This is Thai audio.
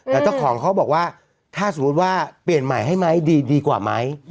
แต่เจ้าของเขาบอกว่าถ้าสมมุติว่าเปลี่ยนใหม่ให้ไหมดีกว่าไหม